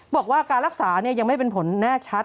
บอกว่าการรักษายังไม่เป็นผลแน่ชัด